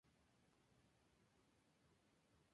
Ha sido internacional con la selección de fútbol de Ucrania.